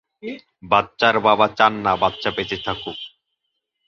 বাচ্চার বাবা চান না বাচ্চা বেঁচে থাকুক।